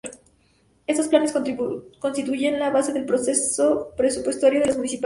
Estos planes constituyen la base del proceso presupuestario de las municipalidades.